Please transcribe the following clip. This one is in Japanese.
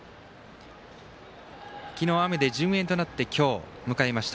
昨日、雨で順延となって今日、迎えました。